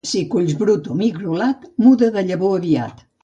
Si culls brut o migrolat, muda de llavor aviat.